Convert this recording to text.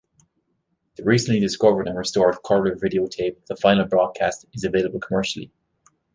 The recently discovered and restored color videotape of the final broadcast is available commercially.